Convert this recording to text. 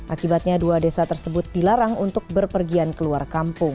akibatnya dua desa tersebut dilarang untuk berpergian keluar kampung